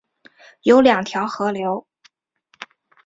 有二条河流